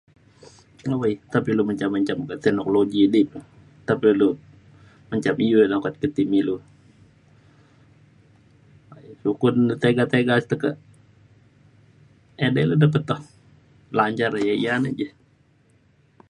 awai nta pa ilu mencam mencam ke teknologi di. nta pe ilu mencam u ilu okat ke ti me ilu. sukun na tiga-tiga tekak edai re peto lancar ia ia ne ja.